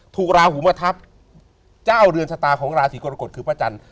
ราหูมาทับเจ้าเรือนชะตาของราศีกรกฎคือพระจันทร์